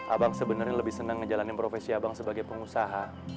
abang sebenernya lebih seneng ngejalanin profesi abang sebagai pengusaha